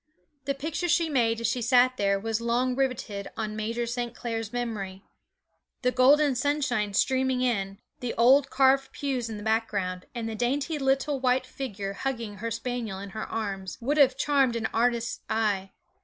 The picture she made as she sat there was long riveted on Major St. Clair's memory: the golden sunshine streaming in, the old carved pews in the background, and the dainty little white figure hugging her spaniel in her arms, would have charmed an artist's eye.